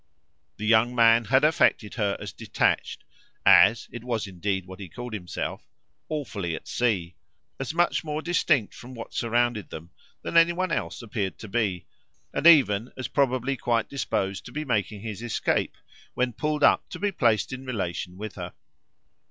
The young man had affected her as detached, as it was indeed what he called himself awfully at sea, as much more distinct from what surrounded them than any one else appeared to be, and even as probably quite disposed to be making his escape when pulled up to be placed in relation with her.